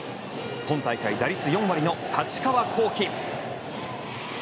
今大会打率４割の太刀川幸輝。